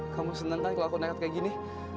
kamu senang kan kalau aku nekat kayak gini